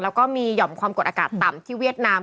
แล้วก็มีหย่อมความกดอากาศต่ำที่เวียดนาม